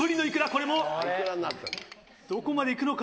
これもどこまで行くのか？